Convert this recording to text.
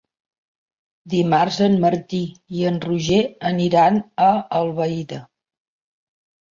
Dimarts en Martí i en Roger aniran a Albaida.